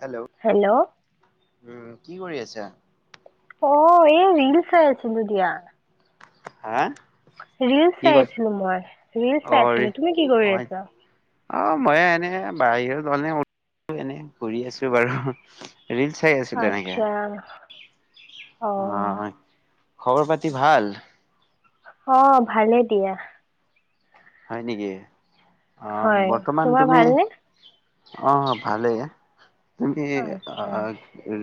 Hello উম কি কৰি আছা অ এই ৰিল চাই আছিলো দিয়া হা ৰিলচ কি কল চাইছিলো মই ৰিলচ অ চাইছিলো তুমি কি কৰি হয় আছা অ মই এনে বাহিৰতে এনে ঘূৰি আছো বাৰু ৰিল চ চাই আছিলে এনেকে আচ্ছা অ অ খবৰ পাতি ভাল অ ভালে দিয়া হয় নেকি হয় বৰ্তমান তোমাৰ তুমি ভালনে অ ভালেই তুমি আচ্ছা আহ উ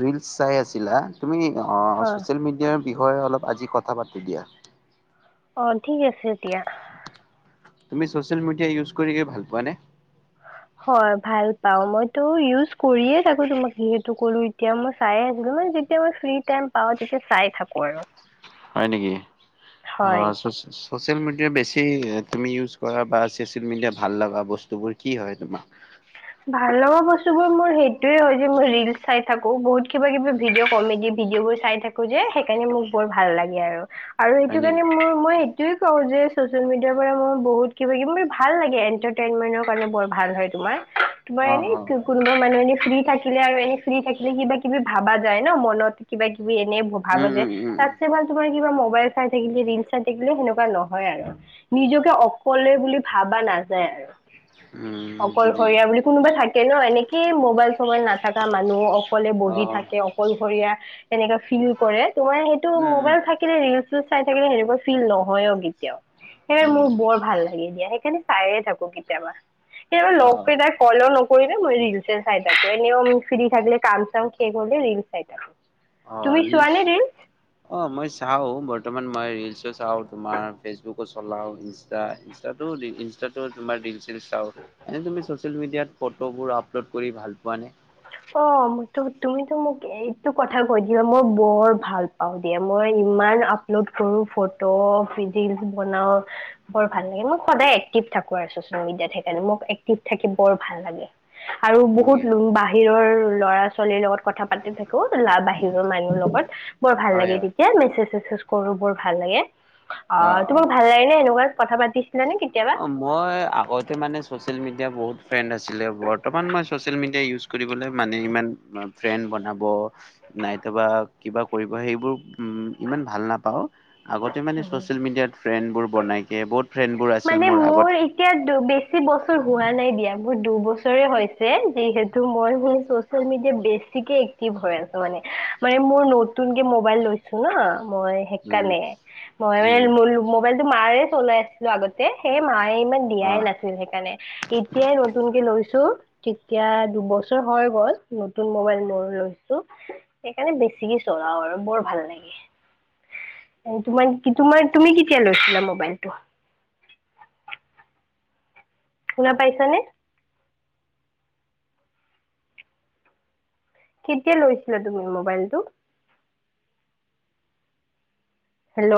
ৰিলচ চাই আছিলা, তুমি অ হয় চচিয়েল মিডিয়াৰ বিষয়ে অলপ আজি কথা পাতি দিয়া। অ ঠিক আছে দিয়া তুমি চচিয়েল মিডিয়া ইউজ কৰি ভাল পোৱা নে? হয় ভাল পাও, মইতো ইউজ কৰিয়ে থাকো তোমাক যিহেতু কলো এতিয়া মই চাইে আছিলো মানে যেতিয়া মই ফ্ৰী টাইম পাওঁ তেতিয়া চাই থাকো আৰু হয় নেকি অ হয় ছ'চিয়েল মিডিয়া বেছি তুমি ইউজ কৰা বা ছ'চিয়েল মিডিয়া ভাল লগা বস্তুবোৰ কি হয় তোমাৰ? ভাল লগা বস্তুবোৰ মোৰ সেইটোয়ে হয় যে মই ৰিলচ চাই থাকো বহুত কিবা কিবি ভিডিঅ' কমেডি ভিডিঅ' বোৰ চাই থাকো যে সেইকাৰণে মোক বৰ ভাল লাগে আৰু, আৰু হয় সেইটো নেকি কাৰণে মোৰ মই এইটোয়ে কওঁ যে চচিয়েল মিডিয়াৰ পৰা মই বহুত কিবা কিবি মানে ভাল লাগে এটাৰটেইনমেন্টৰ কাৰণে বৰ ভাল হয় তোমাৰ তোমাৰ অ', এনেই অ', কোনোবা মানুহ এনে ফ্ৰী থাকিলে আৰু এনে ফ্ৰী থাকিলে কিবা কিবি ভাবা যায় ন মনত কিবা কিবি এনেই উম, ভাবো যে উম, উম, তাতছে ভাল তোমাৰ কিবা ম মোবাইল চাই থাকিলে ৰিল চাই থাকিলে সেনেকুৱা নহয় আৰু, নিজকে অকলে বুলি ভাবা নাযায় আৰু উম অকলশৰীয়া বুলি কোনোবা থাকে ন এনেকে মোবাইল চবাইল নাথাকা মানুহ অকলে বহি অ', থাকে অকলশৰে [inaudible] তেনেকে ফিল কৰে, তোমাৰ সেইটো উম, উম, মোবাইল থাকিলে ৰিলচ চিলছ চাই থাকিলে সেনেকুৱা ফিল নহয়ও গী কেতিয়াও, সেইবাবে উম, মোৰ বৰ ভাল লাগে দিয়া সেইকাৰণে চাইয়ে থাকো কেতিয়াবা কেতিয়াবা, লগ অ', ফলো নকৰিলে মই ৰিলচএ চাই থাকো এনে ফ্ৰী থাকিললে কাম চাম শেষ কৰিলে ৰিল চাই থাকো৷ অ তুমি ৰিলচ চোৱানে ৰিল অ মই চাও বৰ্তমান মই ৰিলচ ৰীলচো চাও, তোমাৰ ফেচবুকো চলাও, ইন্ষ্ট্ৰা-ইণ্ষ্টা তো তোমাৰ চাও এনে তুমি চচিয়েল মিডিয়াত ফটোবোৰ আপলোড কৰি ভাল পোৱা নে? অ মোক তুমিতো মোক এইটো কথা কৈ দিলা মই বৰ ভাল পাওঁ দিয়া মই ইমান আপলড কৰো ফটো ৰীলচ বনাও বৰ ভাল লাগে মোৰ সদায় এক্টিভ থাকো৷ ছচিয়েল মিডিয়াত সেইকাৰণে, মোৰ এক্টিভ থাকি বৰ ভাল লাগে, আৰু হয় বহুত নেকি লুম্বাহ বাহিৰৰ ল'ৰা ছোৱালীৰ লগত কথা পাতি থাকো বাহিৰৰ মানুহৰ লগত বৰ ভাল হয়, লাগে হয়, তেতিয়া মেছেজ চেছেজ কৰো বৰ ভাল লাগে, অ তোমাক ভাল লাগে নে এনেকুৱা? কথা পাতি অ মই আগতে মানে চচিয়েল মিডিয়া বহুত ফ্ৰেন্ড আছিলে বৰ্তমান মই চছিয়েল মিডিয়া ইউজ কৰিবলৈ মানে ইমান ফ্ৰেন্ড বনাব নাইটোবা কিবা কৰিব সেইবোৰ উ ইমান ভাল নাপাওঁ৷ আগতে মানে ছ'চিয়েল মিডিয়াত ফ্ৰেণ্ডবোৰ বনাই বহুত ফ্ৰেণ্ডবোৰ আছিল মানে আগত মোৰ এতিয়া দু বেছি বছৰ হোৱা নাই দিয়া মোৰ দুবছৰ দুবছৰেই হৈছে যিহেতু মই সেই ছচিয়েল মেডিয়াত বেছিকে এক্টিভ হৈ আছোঁ মানে মই মোৰ নতুনকে মোবাইল লৈছো ন! মই উম সেইকাৰণে মই উম মানে মোবাইলতটো মাৰে চলাই আছিলো আগতে সেই মা মায়ে ইমান অ দিয়াই নাছিল সেইকাৰণে এতিয় নতুনকে লৈছ লৈছোঁ তেতিয়া দুবছৰ হৈ গ'ল নতুন মবাইল মই লৈছো সেইকাৰণে বেছিকি চলা আৰু বৰ ভাল লাগে। উ, [inaudible] তোমাৰ-তোমাৰ তুমি কেতিয়া লৈছিলা মোবাইলটো? শুনা পাইছানে? কেতিয়া লৈছিলা তুমি মবাইলটো? হেল্ল'